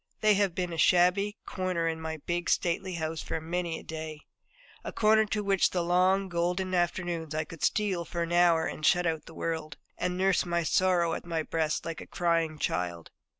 They have been a shabby corner in my big, stately house for many a day a corner to which in the long, golden afternoons I could steal for an hour and shut out the world, and nurse my sorrow at my breast like a crying child.